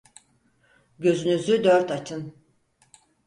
Gözünüzü dört açın.